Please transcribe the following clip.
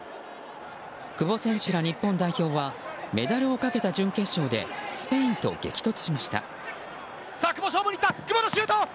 久保選手ら日本代表はメダルをかけた準決勝でスペインと激突しました。